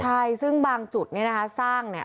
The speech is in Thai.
ใช่ซึ่งบางจุดเนี่ยนะคะสร้างเนี่ย